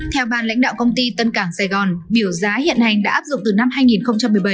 theo ban lãnh đạo công ty tân cảng sài gòn biểu giá hiện hành đã áp dụng từ năm hai nghìn một mươi bảy